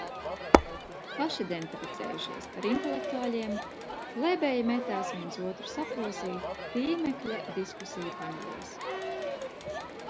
Pašidentificējušies par intelektuāļiem, plebeji metās viens otru saplosīt tīmekļa diskusiju paneļos.